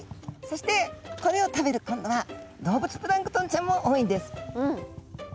そしてこれを食べる今度は動物プランクトンちゃんも多いんです。